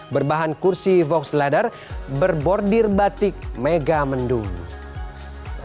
berbahan kursi vox leather berbordir batik mega mendung